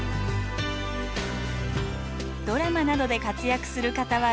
ドラマなどで活躍するかたわら